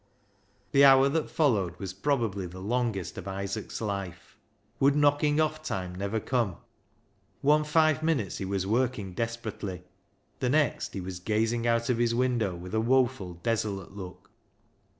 The hour that followed was probably the longest of Isaac's life. Would " knocking off" time never come? One five minutes he was ISAAC'S FIDDLE 295 working desperately ; the next he was gazing out of his window with a woeful, desolate look.